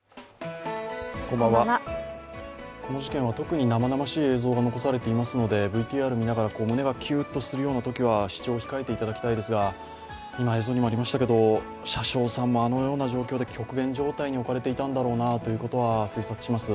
この事件は特に生々しい映像が残されていますのでＶＴＲを見ながら胸がきゅーっとするようなときは視聴を控えていただきたいですが、今映像にもありましたが、車掌さんもあのような状態で極限状態に置かれていたんだろうなと推察します。